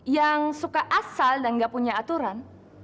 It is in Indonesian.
yang suka asal dan nggak punya aturan